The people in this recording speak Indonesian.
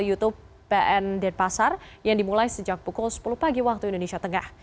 youtube pn denpasar yang dimulai sejak pukul sepuluh pagi waktu indonesia tengah